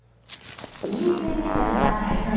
ＥＶメタルが足りない。